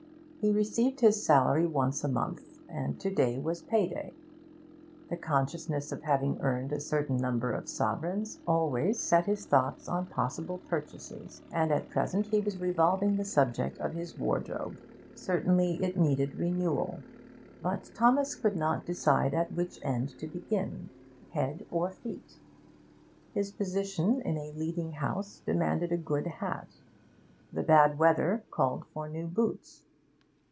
He received his salary once a month, and to day was pay day: the consciousness of having earned a certain number of sovereigns always set his thoughts on possible purchases, and at present he was revolving the subject of his wardrobe. Certainly it needed renewal, but Thomas could not decide at which end to begin, head or feet. His position in a leading house demanded a good hat, the bad weather called for new boots.